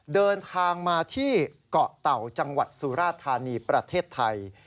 เดินทางมาที่เกาะเต่าจังหวัดสุราธานีประเทศไทย